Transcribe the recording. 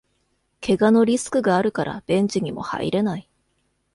けがのリスクがあるからベンチにも入れない